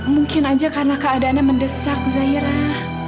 mungkin aja karena keadaannya mendesak zairah